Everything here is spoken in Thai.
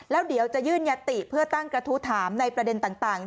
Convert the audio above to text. แล้วเดี๋ยวจะยื่นยติเพื่อตั้งกระทู้ถามในประเด็นต่าง